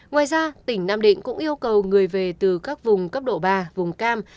ngoài ra tỉnh nam định cũng yêu cầu người về từ các vùng cấp độ ba vùng cam